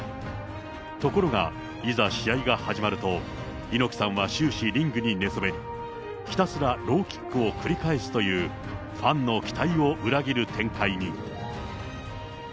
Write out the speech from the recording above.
ところが、いざ、試合が始まると猪木さんは終始、リングに寝そべり、ひたすらローキックを繰り返すという、ファンの期待を裏切る展開に。